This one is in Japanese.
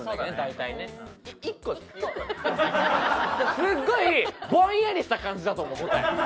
すごいぼんやりした感じだと思う答え。